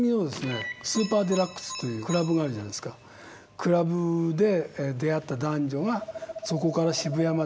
クラブで出会った男女がそこから渋谷まで。